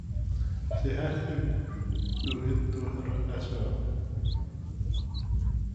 She had him do it to her as well.